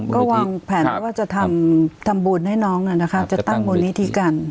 ก็วางแผนว่าจะทำทำบูตรให้น้องน่ะนะคะจะตั้งมูลนิธีกัน